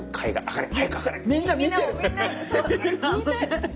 みんな見てる。